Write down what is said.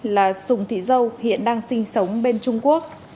râu hiện đang sinh sống bên trung quốc